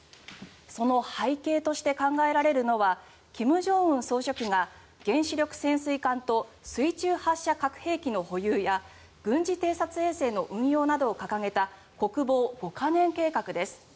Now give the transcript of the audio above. その背景として考えられるのは金正恩総書記が原子力潜水艦と水中発射核兵器の保有や軍事偵察衛星の運用などを掲げた国防五カ年計画です。